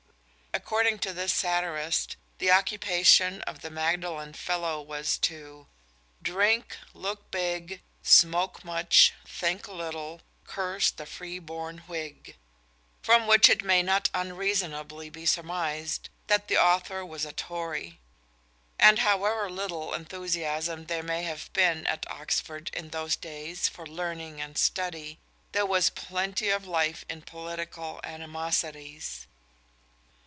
According to this satirist the occupation of the Magdalen Fellow was to _drink, look big, Smoke much, think little, curse the freeborn Whig _ from which it may not unreasonably be surmised that the author was a Tory; and however little enthusiasm there may have been at Oxford in those days for learning and study, there was plenty of life in political animosities.